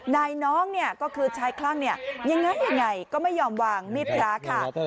นายน้องนี่ก็คือใช้คลั่งอีกอย่างไรก็ไม่ยอมวางรีบทั้งละคราค่ะ